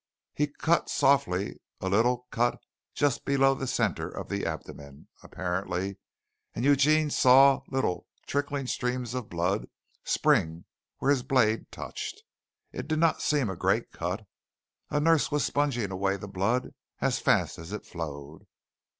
He cut softly a little cut just below the centre of the abdomen apparently, and Eugene saw little trickling streams of blood spring where his blade touched. It did not seem a great cut. A nurse was sponging away the blood as fast as it flowed.